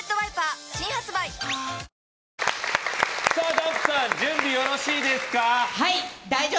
ダンプさん準備よろしいですか。